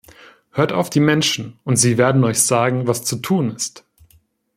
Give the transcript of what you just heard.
Hört auf die Menschen und sie werden euch sagen, was zu tun ist.